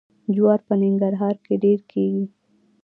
جوار په ننګرهار کې ډیر کیږي.